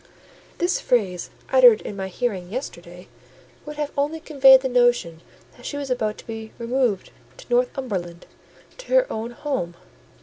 This phrase, uttered in my hearing yesterday, would have only conveyed the notion that she was about to be removed to Northumberland, to her own home.